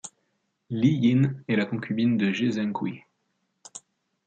Li Yin est la concubine de Ge Zhengqi.